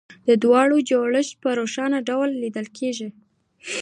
د دواړو جوړښت په روښانه ډول لیدل کېږي